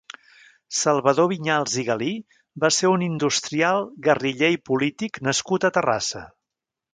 Salvador Vinyals i Galí va ser un industrial, guerriller i polític nascut a Terrassa.